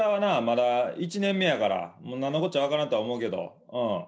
まだ１年目やから何のこっちゃ分からんとは思うけど。